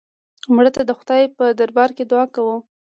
مړه ته د خدای په دربار کې دعا کوو